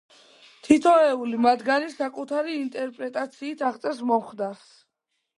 თითოეული მათგანი საკუთარი ინტერპრეტაციით აღწერს მომხდარს.